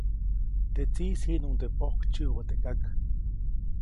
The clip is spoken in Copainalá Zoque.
Teʼ tsiʼis jiʼnuŋde pojk tsiʼubä teʼ kak.